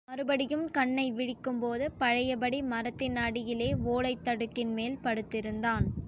தங்கவேல் மறுபடியும் கண்ணை விழிக்கும்போது பழையபடி மரத்தின் அடியிலே ஓலைத் தடுக்கின்மேல் படுத்திருந்தான்.